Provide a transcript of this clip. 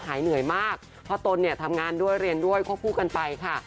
หายเหนื่อยมากเพราะตนเนี่ยทำงานด้วยเรียนด้วยควบคู่กันไปค่ะ